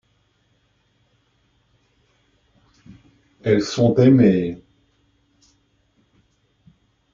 Elles sont aimées.